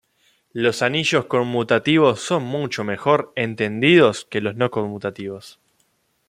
Los anillos conmutativos son mucho mejor entendidos que los no conmutativos.